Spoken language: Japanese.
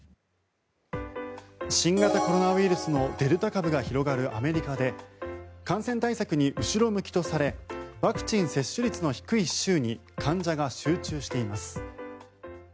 新型コロナウイルスのデルタ株が広がるアメリカで感染対策に後ろ向きとされワクチン接種率の低い州に患者が集中しています。